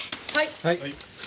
はい。